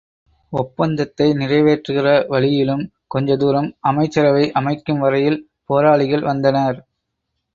ஒப்பந்தத்தை நிறைவேற்றுகிற வழியிலும் கொஞ்ச தூரம் அமைச்சரவை அமைக்கும் வரையில் போராளிகள் வந்தனர்.